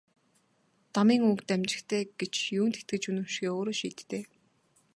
Дамын үг дамжигтай гэж юунд итгэж үнэмшихээ өөрөө шийд дээ.